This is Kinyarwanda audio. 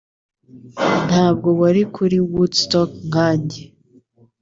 Ntabwo wari kuri Woodstock nkanjye